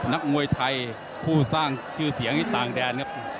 นักมวยไทยผู้สร้างชื่อเสียงที่ต่างแดนครับ